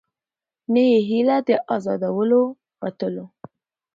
نه یې هیله د آزادو الوتلو